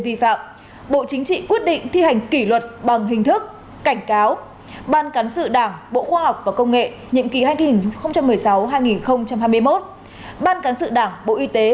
vi phạm quy định về những điều đảng viên không được làm quy định trách nhiệm nêu gương gây hậu quả rất nghiêm trọng làm thất thoát lãng phí lớn ngân sách của nhà nước